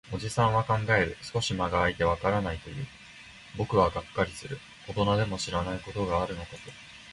おじさんは考える。少し間が空いて、わからないと言う。僕らはがっかりする。大人でも知らないことがあるのかと。